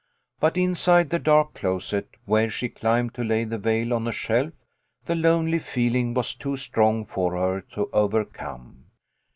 But inside the dark closet, where she climbed to lay the veil on a shelf, the lonely feeling was too strong for her to overcome.